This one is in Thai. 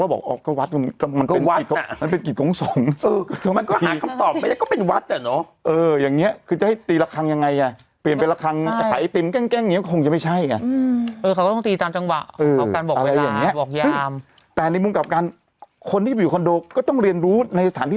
เออมันก็หาคำตอบไปก็เป็นวัดอ่ะเนอะเอออย่างเงี้ยคือจะให้ตีระครั้งยังไงอ่ะเปลี่ยนเป็นระครั้งใช่ถ่ายไอติมแกล้งแกล้งอย่างเงี้ยคงจะไม่ใช่อ่ะอืมเออเค้าก็ต้องตีตามจังหวะเออเอาแบบการบอกเวลาเอาแบบอย่างเงี้ยบอกเฮียอามแต่ในมุมกลับการคนที่อยู่คอนโดกก็ต้องเรียนรู้ในสถานที่